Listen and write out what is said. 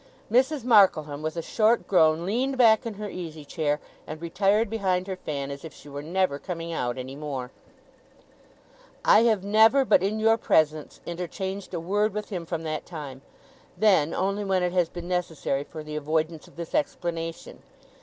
Mrs. Markleham, with a short groan, leaned back in her easy chair; and retired behind her fan, as if she were never coming out any more. 'I have never, but in your presence, interchanged a word with him from that time; then, only when it has been necessary for the avoidance of this explanation.